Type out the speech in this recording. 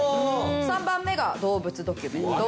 ３番目が動物ドキュメント。